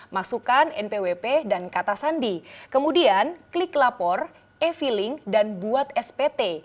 masukan npwp dan kata sandi kemudian klik lapor e feeling dan buat spt